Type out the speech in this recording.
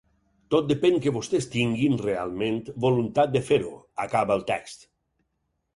Tot depèn que vostès tinguin, realment, voluntat de fer-ho, acaba el text.